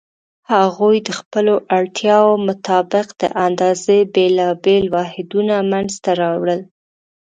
هغوی د خپلو اړتیاوو مطابق د اندازې بېلابېل واحدونه منځته راوړل.